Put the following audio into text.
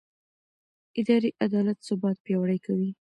اداري عدالت ثبات پیاوړی کوي